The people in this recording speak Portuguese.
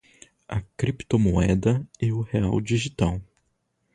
A criptomoeda e o real digital